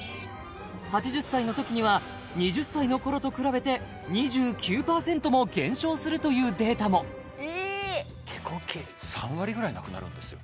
８０歳のときには２０歳の頃と比べて２９％も減少するというデータも３割ぐらいなくなるんですよ